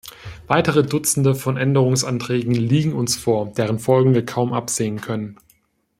Weitere Dutzende von Änderungsanträgen liegen uns vor, deren Folgen wir kaum absehen können.